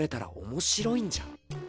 面白いんじゃ。